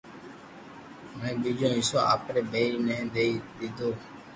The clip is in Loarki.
ھين ٻيجو حصو آپري ٻئير ني دئي ديدو